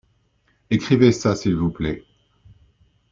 Écrivez ça s’il vous plait.